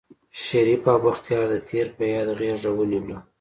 شريف او بختيار د تېر په ياد غېږه ونيوله.